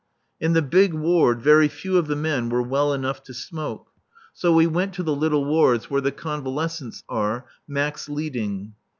In the big ward very few of the men were well enough to smoke. So we went to the little wards where the convalescents are, Max leading.